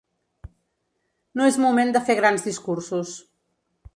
No és moment de fer grans discursos.